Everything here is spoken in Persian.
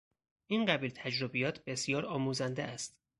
این قبیل تجربیات بسیار آموزنده است.